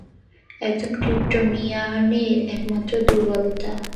একজন ক্রিপ্টোনিয়ানের একমাত্র দুর্বলতা।